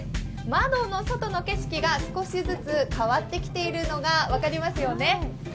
窓の外の景色が少しずつ変わってきているのが分かりますよね。